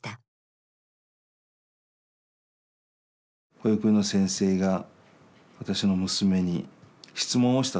保育園の先生が私の娘に質問をしたそうです。